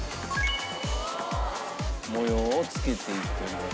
模様をつけていって。